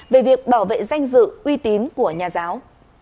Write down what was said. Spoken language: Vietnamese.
về việc bảo vệ danh dự uy tín của nhà giáo